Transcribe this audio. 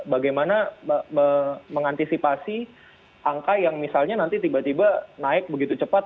bagaimana mengantisipasi angka yang misalnya nanti tiba tiba naik begitu cepat